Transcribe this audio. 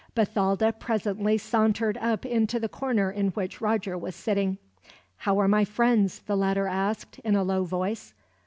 Bathalda presently sauntered up into the corner in which Roger was sitting. "How are my friends?" the latter asked, in a low voice.